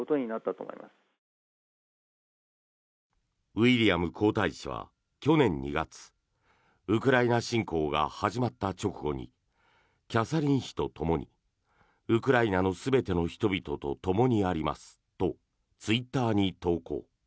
ウィリアム皇太子は去年２月ウクライナ侵攻が始まった直後にキャサリン妃とともにウクライナの全ての人々とともにありますとツイッターに投稿。